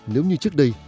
nếu như trước đây